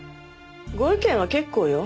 ご意見は結構よ。